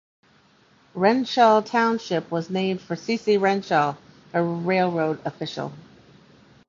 Wrenshall Township was named for C. C. Wrenshall, a railroad official.